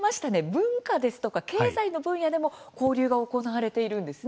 文化ですとか経済の分野でも交流が行われているんですね。